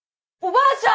ばあちゃん